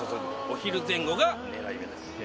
お昼前後が狙い目です。